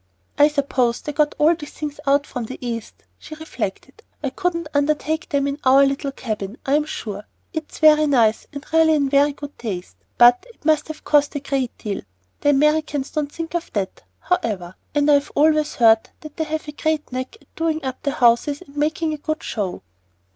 "I suppose they got all these things out from the East," she reflected. "I couldn't undertake them in our little cabin, I'm sure. It's very nice, and really in very good taste, but it must have cost a great deal. The Americans don't think of that, however; and I've always heard they have a great knack at doing up their houses and making a good show."